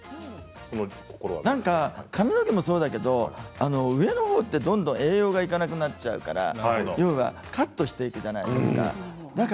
髪の毛もそうだけど上のほうってどんどん栄養がいかなくなっちゃうから要はカットしていくじゃないですか。